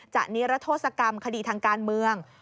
นิรัทธศกรรมคดีทางการเมือง